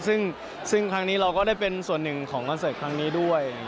ซึ่งครั้งนี้เราก็ได้เป็นส่วนหนึ่งของคอนเสิร์ตครั้งนี้ด้วย